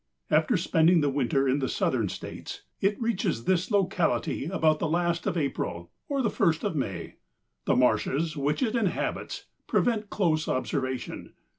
After spending the winter in the southern states it reaches this locality about the last of April or the first of May. The marshes which it inhabits prevent close observation.